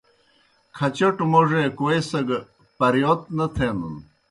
کھچٹوْ موڙے کوئیسگہ پرِیوت نہ تھینَن۔